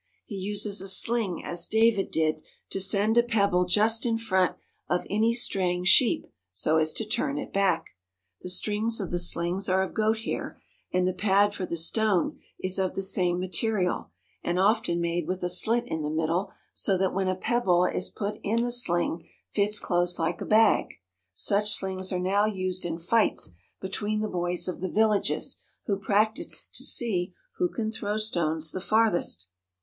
He uses a sling as David did to send a pebble just in front of any straying sheep so as to turn it back. The strings of the slings are of goat hair, and the pad for the stone is of the same material, often made with a slit in the middle so that when a pebble is put in the sling fits close like a bag. Such slings are now used in fights between the boys of the villages, who practise to see who can throw stones the farthest.